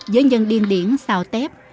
với nhân điên điển xào tép